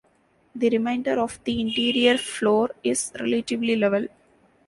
The remainder of the interior floor is relatively level.